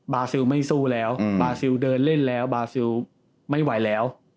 ซิลไม่สู้แล้วบาซิลเดินเล่นแล้วบาซิลไม่ไหวแล้ว